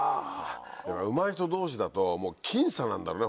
うまい人同士だと僅差なんだろうね